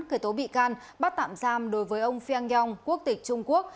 khởi tố bị can bắt tạm giam đối với ông feng yong quốc tịch trung quốc